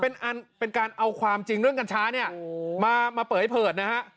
เป็นอันเป็นการเอาความจริงเรื่องกัญชาเนี่ยมาเปิดเผยนะฮะ